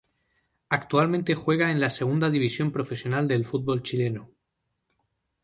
Actualmente juega en la Segunda División Profesional del fútbol chileno.